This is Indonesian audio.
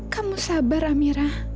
kamu sabar amira